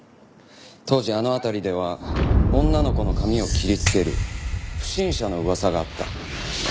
当時あの辺りでは女の子の髪を切りつける不審者の噂があった。